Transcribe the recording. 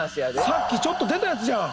さっきちょっと出たやつじゃん。